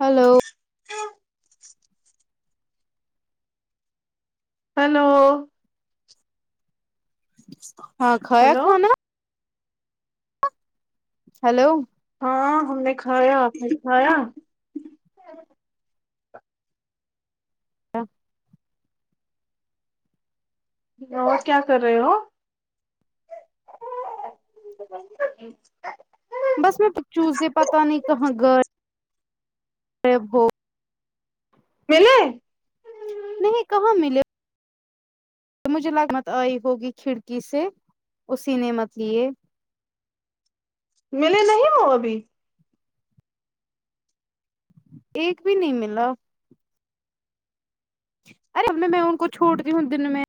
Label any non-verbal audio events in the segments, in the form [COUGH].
Hello [INAUDIBLE] hello ہاں کھایا hello کھانا ہیلو ہاں ہم نے کھایا آپ نے کھایا [INAUDIBLE] ہیلو کیا کر رہے ہو بس میں چوزے پتا نہیں کہاں غائب ہو ملے نہیں کہاں ملے تو مجھے لگا مت آئی ہوگی کھڑکی سے اسی نے مت لیے ملے نہیں وہ ابھی ایک بھی نہیں ملا ارے اب میں ان کو چھوڑتی ہوں دن میں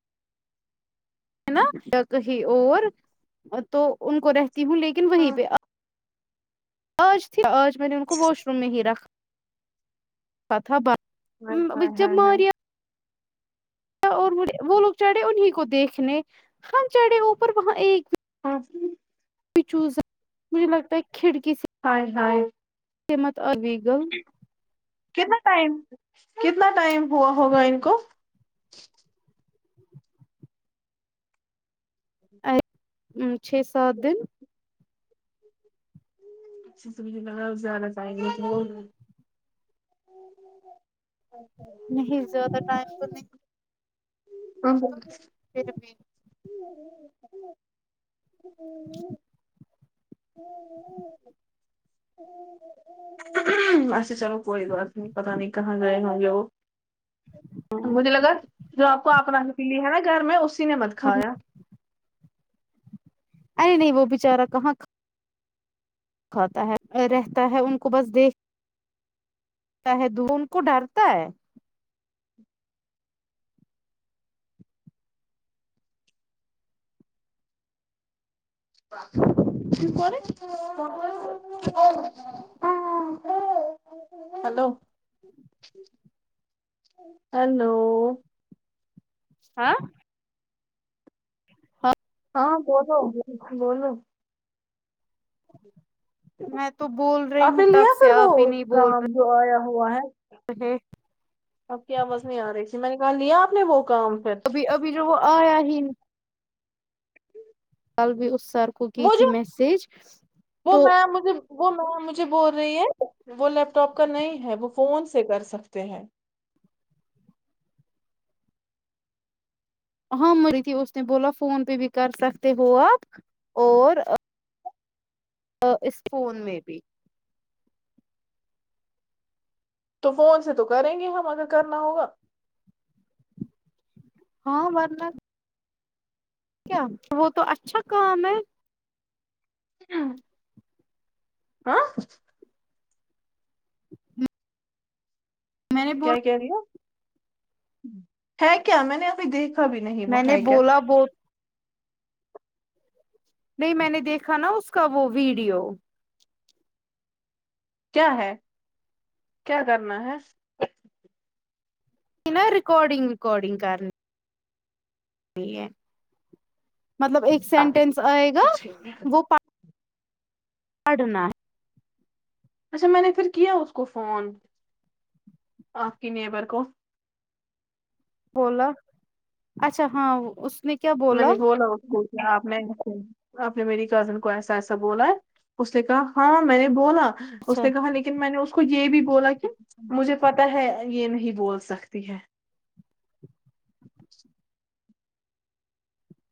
ہے نا کہی اور تو ان کو رہتی ہوں لیکن وہیں پہ ہائے آج تھی آج میں نے ان کو واش روم میں ہی رکھا رکھا تھا ہائے بند جب ہائے ہائے ماریہ اور وہ لوگ چڑھے انہی کو دیکھنے ہم چڑھے اوپر وہاں ایک ہاں ہوں بھی چوزا مجھے لگتا ہے کھڑکی سے اے ہائے کے مت آ ایگل کتنا ٹائم کتنا ٹائم ہوا ہوگا ان کو چھ سات دن اچھے سے ملکر آؤں زیادہ ٹائم مت لگاؤ [INAUDIBLE] اچھا [INAUDIBLE] نہیں زیادہ ٹائم تو نہیں ہاں وہ پھر بھی [INAUDIBLE] اچھا چلو کوئی بات نہیں پتا نہیں کہاں گئے ہونگے وہ مجھے لگا جو آپ کو آپ نا کی بلی نا گھر میں اسی نے مت کھایا ارے نہیں وہ بیچارا کہاں کا کھاتا ہے رہتا ہے ان کو بس دیکھ شاید دو ان کو ڈرتا ہے [UNINTELLIGIBLE] ہلو ہیلو ہاں ہاں بولو بولو میں تو بول رہی آپ ہوں نے لیا تب سے پھر وہ آپ کام جو آیا ہوا ہے ہے آپ کی آواز نہیں آ رہی تھی میں نے کہا لیا آپ نے وہ کام پھر ابھی ابھی جو وہ آیا ہی ن کل بھی اس سر کو کی وہ تھی جو میسج وہ تو میم مجھے وہ میم مجھے بول رہی ہے وہ لیپ ٹاپ کا نہیں ہے وہ فون سے کر سکتے ہیں ہاں مری تھی اس نے بولا فون پہ بھی کر سکتے ہو آپ اور آ اس فون میں بھی تو فون سے تو کریں گے ہم اگر کرنا ہوگا ہاں ورنہ کیا وہ تو اچھا کام ہے ہاں آں [INAUDIBLE] میں نے کیا بولا کہہ رہی ہو ہے کیا میں نے ابھی دیکھا بھی نہیں وہ ہے کیا اب بول نہیں میں نے دیکھا نا اس کا وہ ویڈیو کیا ہے کیا کرنا ہے یہ نا ریکارڈنگ ریکارڈنگ کرنے کی ہے مطلب ایک سینٹینس آئے گا سکس ہے۔ وہ پا پڑھنا اچھا میں نے پھر کیا اس کو فون آپ کے نیبر کو بولا اچھا ہاں اس نے میں نے بولا اس کو کہ آپ نہیں دکھوں گی آپ نے میری کزن کو ایسا ایسا بولا ہے اس نے کہا ہاں میں نے بولا اس اچھا نے کہا لیکن میں نے اس کو یہ بھی بولا کہ مجھے پتا ہے یہ نہیں بول سکتی ہے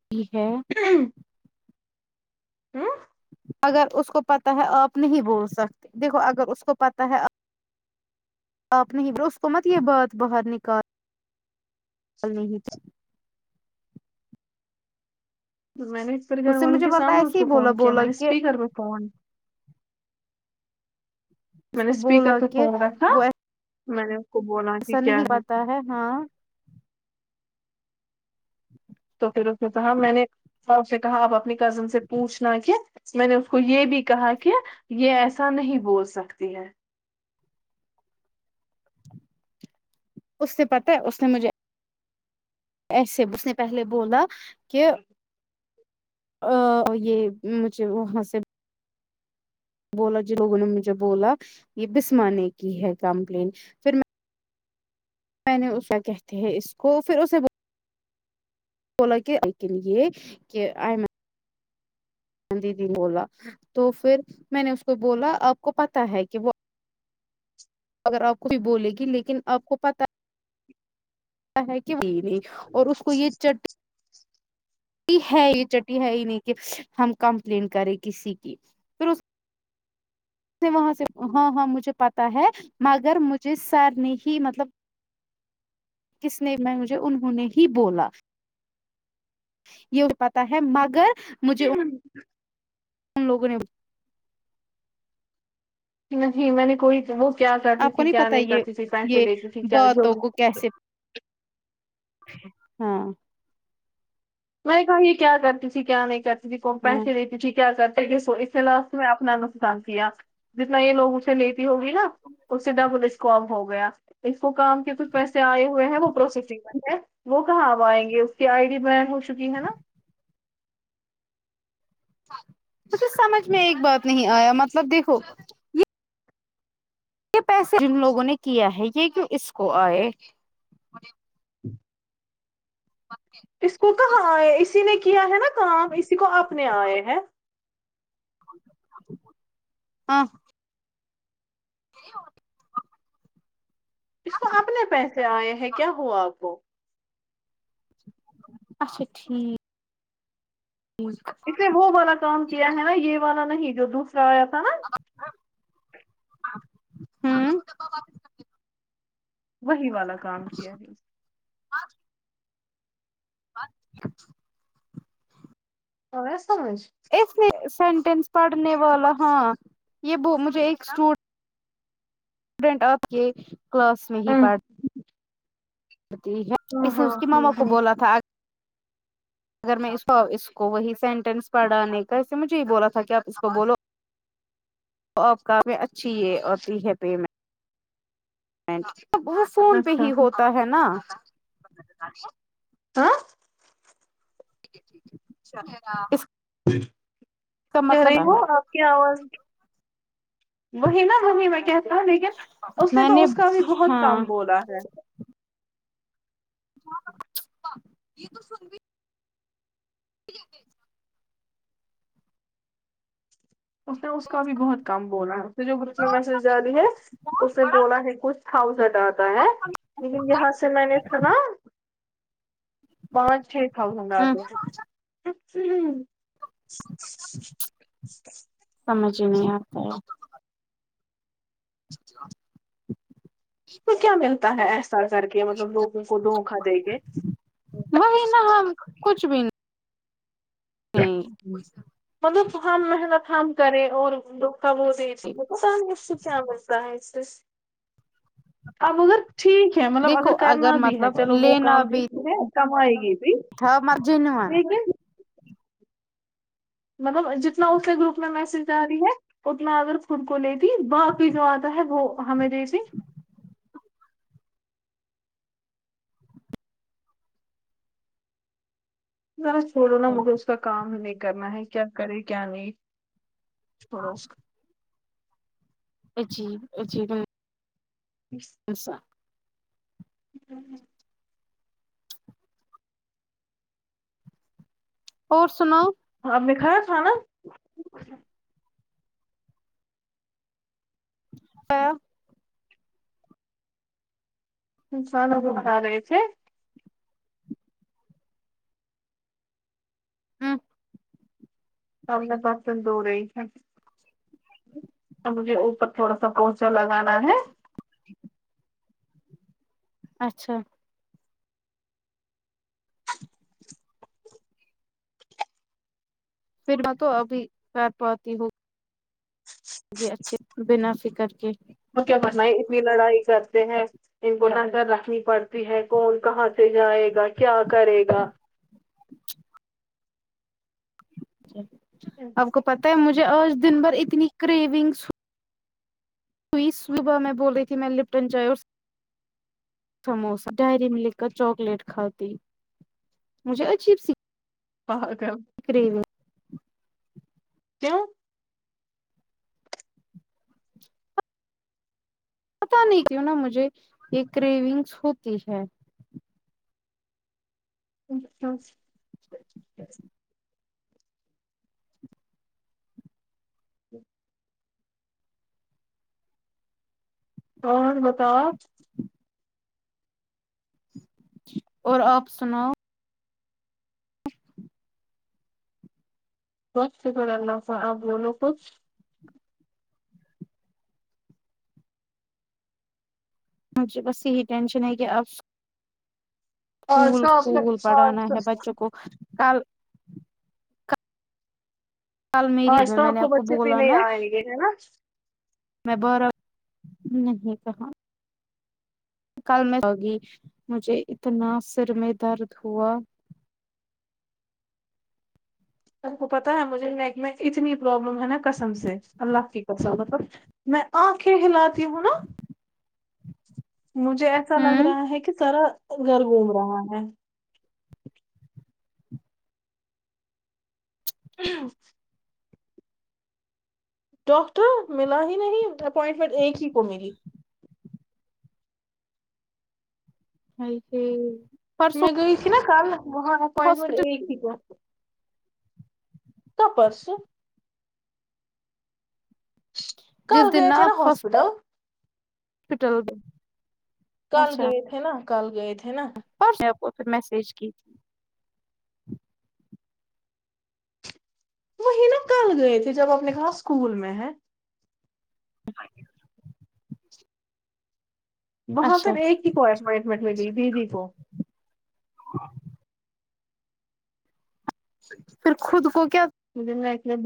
ٹھیک ہے ہوں اگر اس کو پتا ہے آپ نہیں بول سکتے دیکھو اگر اس کو پتا ہے آپ آپ نہیں برو اس کو مت یہ بات باہر نکال ہی تھی میں نے پورے گھر اس نے والوں مجھے کے بولا سامنے اس ایسے ہی کو بولا فون کیا بولا میں نے کہ اسپیکر پہ فون اس میں نے کو بولا اسپیکر پہ کہ فون رکھا وہ میں نے اس کو بولا کہ کیا ہے کیا ہے ہاں تو پھر اس نے کہا میں نے ک سے کہا آپ اپنی کزن سے پوچھنا کہ میں نے اس کو یہ بھی کہا کہ یہ ایسا نہیں بول سکتی ہے اس سے پتا ہے اس نے مجھے ایسے اس نے پہلے بولا کہ ا یہ مجھے وہاں سے بولا جن لوگوں نے مجھے بولا یہ بسما نے کی ہے کمپلین پھر میں میں نے اسے کہتے ہیں اس کو پھر اسے بلا کہ آپ کے لیے کے اے میں دیدی بولا تو پھر میں نے اس کو بولا آپ کو پتا ہے کہ وہ اگر آپ کو بھی بولے کی لیکن آپ کو پتا ہے کہ وہ نہیں اور اس کو یہ چ ہے یہ چٹی ہے ہی نہیں کہ ہم کمپلینٹ کریں کسی کی پھر اس کے وہاں سے ہاں ہاں مجھے پ تا ہے مگر مجھے سر نے ہی مطلب کس نے میں مجھے انہوں نے ہی بولا یہ پتہ ہے مگر مجھے ہوں ان لوگوں نے نہیں میں نے کوئی وہ کیا کرتی آپ کو تھی کیا پتا نہیں یہ کرتی تھی پیسے یہ لیتی تھی کیا جو باتوں ہو کو کیسے ہاں میں نے کہا یہ کیا کرتی تھی کیا نہیں کرتی تھی کون ہاں پیسے دیتی تھی کیا کرتے اسے لاسٹ میں اپنا نقصان کیا جتنا یہ لوگ اس لیتی ہوگی نا اس سے ڈبل اسکم ہو گیا اس کو کام کے کچھ پیسے آئے ہوئے ہیں وہ پروسیسنگ میں تھے وہ کہاں اب آئیں گے اس کی آئی ڈی بین ہو چکی ہے نا مجھے سمجھ میں ایک بات نہیں آیا مطلب دیکھو یہ پیسے جن لوگوں نے کیا ہے یہ کیوں اس کو آئے [UNINTELLIGIBLE] اس کو کہاں آئے اسی نے کیا ہے نا کام اسی کو اپنے آئے ہیں ہاں یہ [UNINTELLIGIBLE] اس کو اپنے پیسے آئے ہیں کیا ہوا آپ کو اچھا ٹھیک مورکھ اس نے وہ والا کام کیا ہے نا یہ والا نہیں جو دوسرا آیا تھا نا ہوں وہی والا کام کیا ہے آ بچ آیا سمجھ اس لیے سینٹینس پڑھنے والا ہاں یہ بو مجھے ایک اسٹو ڈینٹ آپ کے کلاس میں ہی ہوں پڑھ ٹی ہے ہاں اس نے ہاں اس کے مما ہاں کو ہاں بولا تھا اگر میں اس اس کو وہی سینٹینس پڑھانے کا سے مجھے یہ بولا تھا کہ آپ اس کو بولو تو آپ کام میں اچھی یہ آتی ہے پیمن پمٹ اب بس فون پہ اچھا ہی ہوتا ہے نا ہاں ٹھیک ہے ٹھیک ہے چلے گا اس کا کہ مطلب رہی ہوں آپ کی آواز وہی نا وہیں میں کہتا لیکن اس نے تو اس کا بھی بہت ہاں کم بولا ہے [UNINTELLIGIBLE] [UNINTELLIGIBLE] اس نے اس کا بھی بہت کم بولا ہے اس نے جو گروپ میں میسج ڈالی ہے اس نے بولا ہے کچھ تھاؤزٹ آتا ہے لیکن یہاں سے میں نے تھا نا پانچ چھ تھاؤزنڈ ہ آتے ہیں اچھا سمجھ ہی نہیں آتا ہے اچھا [UNINTELLIGIBLE] تو کیا ملتا ہے ایسا کر کے مطلب لوگوں کو دھوکا دے کے وہی نا ہم کچھ بھی نہیں مطلب ہم محنت ہم کریں اور دوکھا وہ دے دیے پتا نہیں اس کو کیا بن کہہ ہے سس اب اگر ٹھیک ہے مطلب دیکھو اگر کرنا بھی ہے مطلب چلو وہ لینا کام بھی دیکھ ہے کمائے گی بھی تھا مر جین ہوا لیکن مطلب جتنا اس کے گروپ میں میسج جاری ہے اتنا اگر خود کو لیتی باقی جو آتا ہے وہ ہمیں دیتی ذرا چھوڑو نا مجھے اس کا کام ہی نہیں کرنا ہے کیا کرے کیا نہیں چھوڑو عجیب ا جیبنب [UNINTELLIGIBLE] ایسا [UNINTELLIGIBLE] اور سناؤ اپ نے کھایا کھانا ا انسانوں کو اٹھا رہے تھے ہوں اب میں برتن دھو رہی تھی تو مجھے اوپر تھوڑا سا پونچھا لگانا ہے اچھا پھر میں تو ابھی پر پتی ہو بھی اچھے بنا فکر کے تو کیا کرنا ہے اتنی لڑائی کرتے ہیں ان کو نظر رکھنی پڑتی ہے کون کہاں سے جائے گا کیا کرے گا آپ کو پتا ہے مجھے آج دن بھر اتنی کریونگس ہوی صبح میں بول رہی تھی میں لپٹن جائے سموسا ڈائری میں لکھ کر چاکلیٹ کھاتی مجھے عجیب سی پاگل کریوینگ کیوں پتا نہیں کیوں نہا مجھے یہ کرریونگس ہوتی ہے اچھا جی اور بتاو اور آپ سناؤ بس شکر اللہ کا آپ بولو کچھ مجھے بس یہی ٹینشن ہے کہ آب آج اسکول تو آپ اسکول کو پڑھانا آج ہے تو بچوں کو کل کل میری آج میں تو میں آپ نے کو بچے بھی بولا نہیں نا آئیں گے ہے نا میں بارہ نہیں کہاں کل میں جاگی مجھے اتنا سر میں درد ہوا آپ کو پتاہ ہے مجھے نیک میں اتنی پرابلم ہے نا قسم سے اللہ کی قسم مطلب میں آنکھیں ہلاتی ہوں نا مجھے ایسا لگ ہوں رہا ہے کہ سارا گھر گھوم رہا ہے [UNINTELLIGIBLE] ڈاکٹر ملا ہی نہیں اپوائنٹمنٹ ایک ہی کو ملی آئی تھنگ میں گئی تھی نا کل وہاں اپنٹمینٹ ہاسپٹل ایک ہی تھا ت پرسو جس کل دن گئے تھے نا آپ ہسپٹل [UNINTELLIGIBLE] ہاسپٹل کل گئے تھے نا کل گئے تھے نا اور آپ کو پھر میسج کی تھی وہی نا کل گئے تھے جب آپ نے کہا اسکول میں ہے وہاں اچھا پھر ایک ہی کو اپوائنٹمنٹ لے گئی دیدی کو پھر خود کو کیا مجھے نہ ایک [UNINTELLIGIBLE]